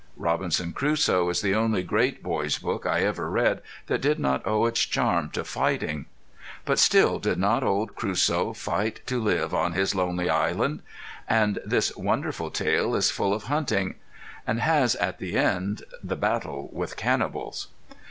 Robinson Crusoe is the only great boy's book I ever read that did not owe its charm to fighting. But still did not old Crusoe fight to live on his lonely island? And this wonderful tale is full of hunting, and has at the end the battle with cannibals.